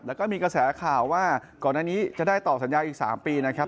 แล้วก็มีกระแสข่าวว่าก่อนอันนี้จะได้ต่อสัญญาอีก๓ปีนะครับ